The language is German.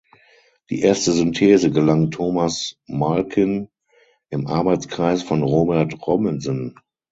Die erste Synthese gelang Thomas Malkin im Arbeitskreis von Robert Robinson.